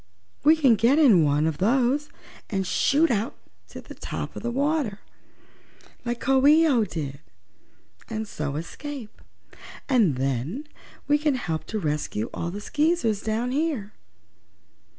We can get in one of those, and shoot out to the top of the water, like Coo ee oh did, and so escape. And then we can help to rescue all the Skeezers down here."